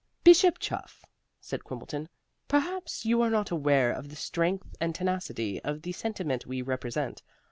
"Bishop Chuff," said Quimbleton, "perhaps you are not aware of the strength and tenacity of the sentiment we represent.